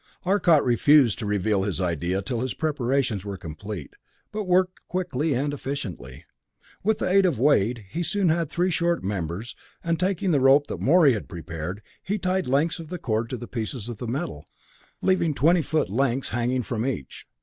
Arcot refused to reveal his idea till his preparations were complete, but worked quickly and efficiently. With the aid of Wade, he soon had three short members, and taking the rope that Morey had prepared, he tied lengths of cord to the pieces of metal, leaving twenty foot lengths hanging from each.